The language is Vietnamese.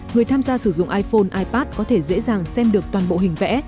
người tham gia sử dụng iphone ipad có thể dễ dàng xem được toàn bộ hình vẽ